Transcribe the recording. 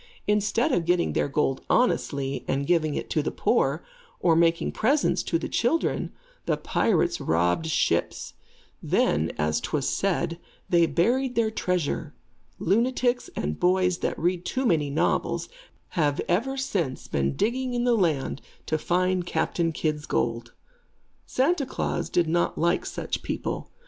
Instead of getting their gold honestly, and giving it to the poor, or making presents to the children, the pirates robbed ships. Then, as 'twas said, they buried their treasure. Lunatics and boys that read too many novels, have ever since been digging in the land to find Captain Kidd's gold. Santa Klaas does not like such people.